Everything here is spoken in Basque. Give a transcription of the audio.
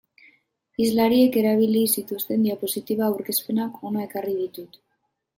Hizlariek erabili zituzten diapositiba aurkezpenak hona ekarri ditut.